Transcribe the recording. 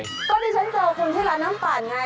ตอนที่ฉันเจอคุณที่ร้านน้ำปั่นไง